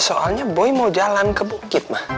soalnya boy mau jalan ke bukit mah